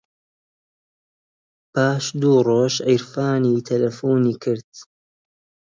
پاش دوو ڕۆژ عیرفانی تەلەفۆنی کرد.